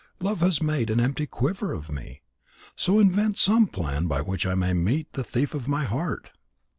Love has made an empty quiver of me. So invent some plan by which I may meet the thief of my heart."